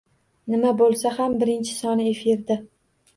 Nima boʻlsa ham birinchi soni efirda.